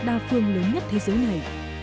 đa phương lớn nhất thế giới này